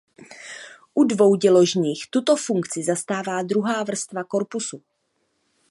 U dvouděložných tuto funkci zastává druhá vrstva korpusu.